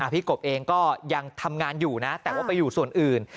กบเองก็ยังทำงานอยู่นะแต่ว่าไปอยู่ส่วนอื่น